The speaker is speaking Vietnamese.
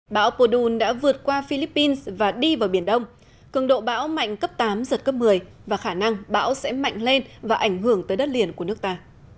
bão podun đã vượt qua philippines và đi vào biển đông cường độ bão mạnh cấp tám giật cấp một mươi và khả năng bão sẽ mạnh lên và ảnh hưởng tới đất liền của nước ta